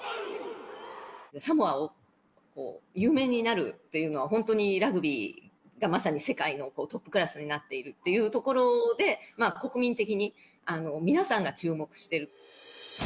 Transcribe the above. サモアを有名になるっていうのは、本当にラグビーがまさに世界のトップクラスになっているっていうところで、国民的に皆さんが注目してる。